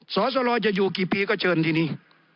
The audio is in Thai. สสรจะอยู่กี่ปีก็เชิญที่นี่